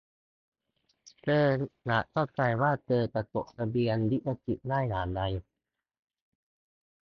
เธออยากเข้าใจว่าเธอจะจดทะเบียนลิขสิทธิ์ได้อย่างไร